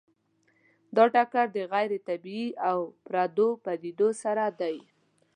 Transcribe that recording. دا ټکر د غیر طبیعي او پردو پدیدو سره دی.